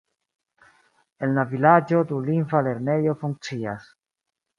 En la vilaĝo dulingva lernejo funkcias.